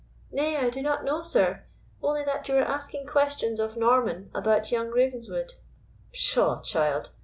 "Nay, I do not know, sir; only that you were asking questions of Norman about young Ravenswood." "Pshaw, child!"